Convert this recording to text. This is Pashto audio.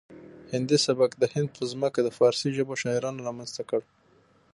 هندي سبک د هند په ځمکه د فارسي ژبو شاعرانو رامنځته کړ